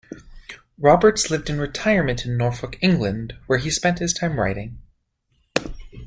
Roberts lived in retirement in Norfolk, England, where he spent his time writing.